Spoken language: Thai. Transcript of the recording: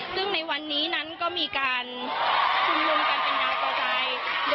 ซึ่งในวันนี้นั้นก็มีการคุ้มลุงกันเป็นยาวตัวใจ